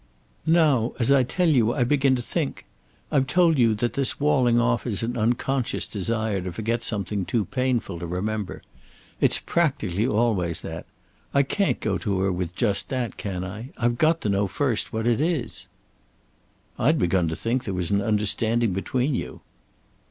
"Now, as I tell you, I begin to think I've told you that this walling off is an unconscious desire to forget something too painful to remember. It's practically always that. I can't go to her with just that, can I? I've got to know first what it is." "I'd begun to think there was an understanding between you."